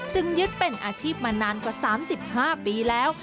ยึดเป็นอาชีพมานานกว่า๓๕ปีแล้ว